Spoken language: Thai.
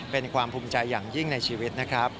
เป็นความภูมิใจอย่างยิ่งในชีวิตนะครับ